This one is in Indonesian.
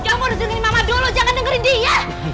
kamu harus dengerin mama dulu jangan dengerin dia